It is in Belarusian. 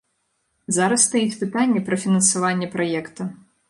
Зараз стаіць пытанне пра фінансаванне праекта.